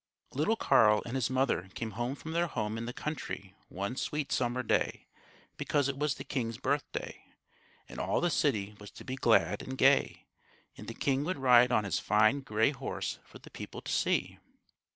Little Carl and his mother came from their home in the country one sweet summer day, because it was the king's birthday, and all the city was to be glad and gay, and the king would ride on his fine gray horse for the people to see.